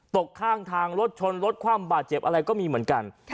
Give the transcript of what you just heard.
ตกข้างทางรถชนรถคว่ำบาดเจ็บอะไรก็มีเหมือนกัน